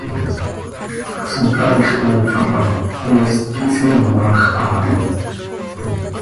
Socaaix conthapa, pyeest quih hsiimaj haa hi.